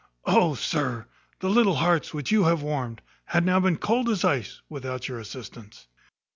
Oh, sir, the little hearts which you have warmed had now been cold as ice without your assistance."